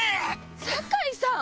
酒井さん！